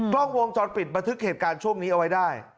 กล้องวงจรปิดบันทึกเหตุการณ์ช่วงนี้เอาไว้ได้